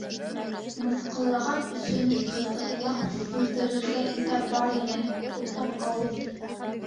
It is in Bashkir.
Мыҫҡыллаған өсөн ҡытыҡлап үлтерергә иҫәп бар ине, туҡтап ҡалдым.